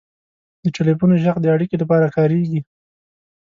• د ټلیفون ږغ د اړیکې لپاره کارېږي.